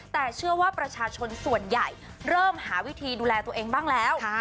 แต่เชื่อว่าประชาชนส่วนใหญ่เริ่มหาวิธีดูแลตัวเองบ้างแล้ว